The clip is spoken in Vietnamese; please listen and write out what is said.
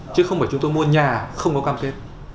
chứ không phải chúng tôi mua nhà không có cam kết